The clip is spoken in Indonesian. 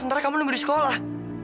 sementara kamu nunggu di sekolah